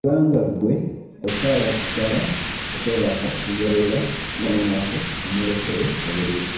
Kubanga ggwe okyayagala okwebaka embooleera ng’omunafu omulekere obuliri.